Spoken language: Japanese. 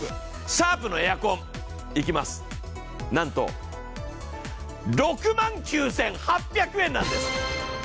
シャープのエアコン、なんと６万９８００円なんです。